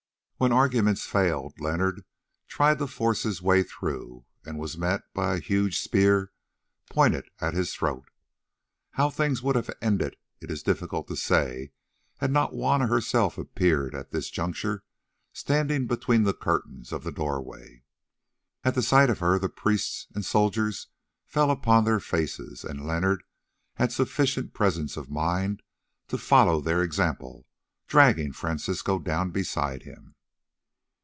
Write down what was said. When arguments failed Leonard tried to force his way through, and was met by a huge spear pointed at his throat. How things would have ended it is difficult to say had not Juanna herself appeared at this juncture, standing between the curtains of the doorway. At the sight of her the priests and soldiers fell upon their faces, and Leonard had sufficient presence of mind to follow their example, dragging Francisco down beside him.